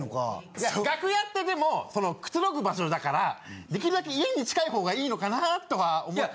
いや楽屋ってでもくつろぐ場所だからできるだけ家に近い方がいいのかなとか思って。